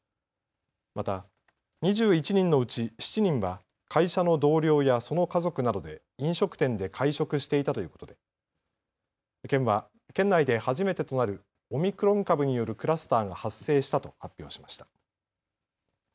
また、２１人のうち７人は会社の同僚やその家族などで飲食店で会食していたということで県は県内で初めてとなるオミクロン株によるクラスターが発生したと発表しました。